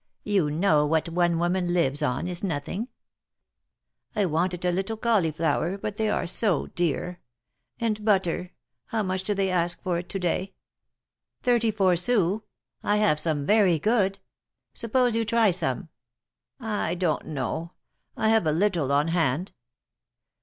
You know what one woman lives on is nothing ! I wanted a little cauliflower, but they are so dear. And butter — how much do they ask for it to day ?"" Thirty four sous. I have some very good. Suppose you try some." I don't know. I have a little on hand."